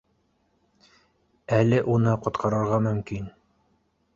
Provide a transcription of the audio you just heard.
Әле уны ҡотҡарырға мөмкин